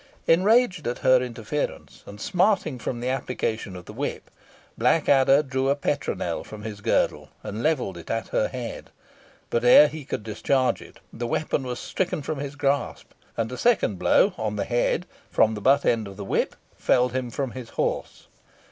Enraged at her interference, and smarting from the application of the whip, Blackadder drew a petronel from his girdle, and levelled it at her head; but, ere he could discharge it, the weapon was stricken from his grasp, and a second blow on the head from the but end of the whip felled him from his horse.